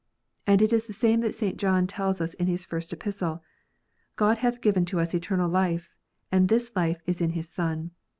And it is the same that St. John tells us in his first Epistle, " God hath given to us eternal life, and this life is in His Son.